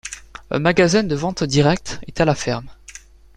Un magasin de vente directe est à la ferme.